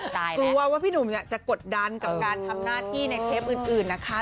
กลัวว่าพี่หนุ่มจะกดดันกับการทำหน้าที่ในเทปอื่นนะคะ